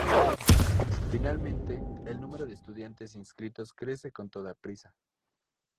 Finalmente, el número de estudiantes inscritos crece con toda prisa.